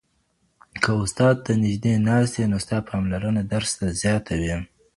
که استاد ته نږدې ناست یې نو ستا پاملرنه درس ته زیاته وي.